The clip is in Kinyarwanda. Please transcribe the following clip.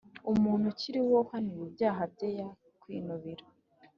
Umuntu ukiriho uhaniwe ibyaha bye Yakwinubira